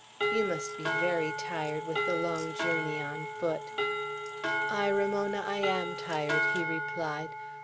"You must be very tired with the long journey on foot." "Ay, Ramona, I am tired," he replied.